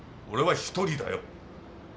俺は１人だよ。